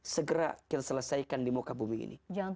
segera kita selesaikan di muka bumi ini